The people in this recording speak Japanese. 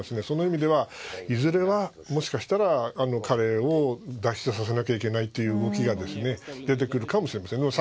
その意味ではいずれは、もしかしたら彼を脱出させなくてはいけないという動きが出てくるかもしれません。